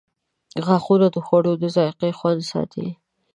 • غاښونه د خوړو د ذایقې خوند ساتي.